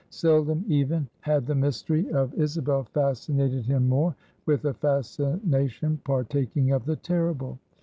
Seldom even had the mystery of Isabel fascinated him more, with a fascination partaking of the terrible.